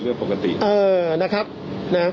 แล้วแล้วก็แบบนี้แล้วคุณแม่ยังจะยืนหยากในการทำร่าวของคุณแจกโม